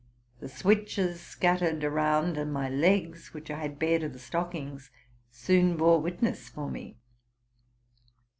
The switches scattered around, and my legs, which I had bared of the stockings, soon bore witness for me.